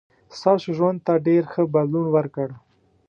ستاسو ژوند ته ډېر ښه بدلون ورکړ.